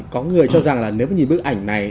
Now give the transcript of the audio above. có người cho rằng là nếu mà nhìn bức ảnh này